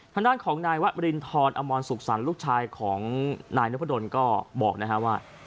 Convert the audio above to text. ทางด้านของนายวรินทรอมรสุขสรรค์ลูกชายของนายนพดลก็บอกนะฮะว่า